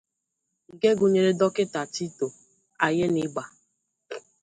nke gụnyere Dọkịta Tito Aiyenigba